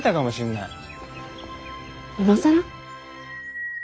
今更？